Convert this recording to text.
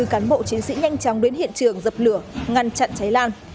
ba mươi bốn cán bộ chiến sĩ nhanh chóng đến hiện trường dập lửa ngăn chặn cháy lan